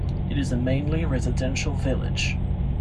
It is a mainly residential village.